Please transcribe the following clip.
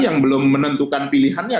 yang belum menentukan pilihannya